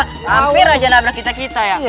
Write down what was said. hampir aja nabrak kita kita ya